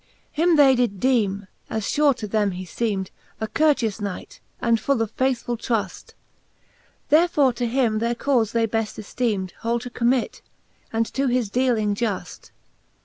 XIII. Him they did deeme, as fure to them he feemed, A comteous Knight, and full of faithfull truftr Therefore to him their caufe they beft efteemed Whole to commit, and to his dealing juft.